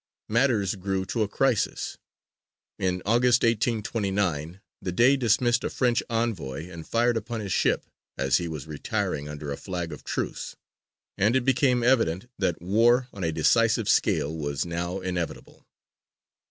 Matters grew to a crisis; in August, 1829, the Dey dismissed a French envoy and fired upon his ship as he was retiring under a flag of truce; and it became evident that war on a decisive scale was now inevitable.